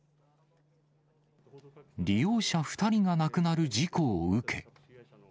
利用者２人が亡くなる事故を受け。